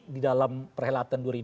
jadi itu adalah hal yang sangat politik